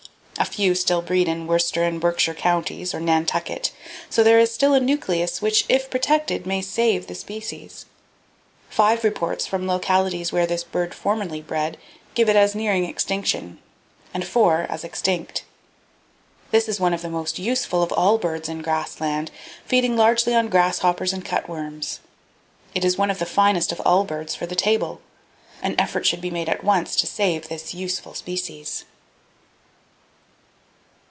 A few still breed in Worcester and Berkshire Counties, or Nantucket, so there is still a nucleus which, if protected, may save the species. Five reports from localities where this bird formerly bred give it as nearing extinction, and four as extinct. This is one of the most useful of all birds in grass land, feeding largely on grasshoppers and cutworms. It is one of the finest of all birds for the table. An effort should be made at once to save this useful species."